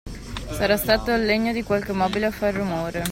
Sarà stato il legno di qualche mobile a far rumore.